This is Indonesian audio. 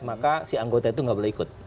maka si anggota itu nggak boleh ikut